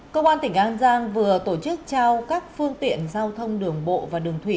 công an tỉnh an giang vừa tổ chức trao các phương tiện giao thông đường bộ và đường thủy